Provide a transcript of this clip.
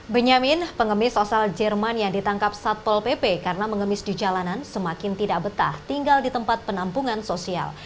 benyamin pengemis asal jerman yang ditangkap satpol pp karena mengemis di jalanan semakin tidak betah tinggal di tempat penampungan sosial